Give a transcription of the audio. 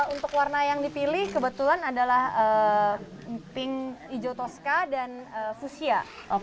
untuk warna yang dipilih kebetulan adalah pink hijau toska dan fuchsia